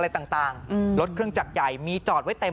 ปี๖๕วันเกิดปี๖๔ไปร่วมงานเช่นเดียวกัน